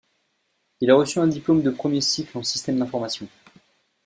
Il a reçu un diplôme de premier cycle en systèmes d'information.